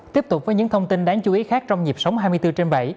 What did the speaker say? tiếp tục với những thông tin đáng chú ý khác trong nhịp sống hai mươi bốn trên bảy